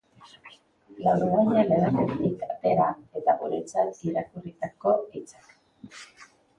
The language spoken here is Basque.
La uruguaya eleberritik atera, eta guretzat irakurritako hitzak.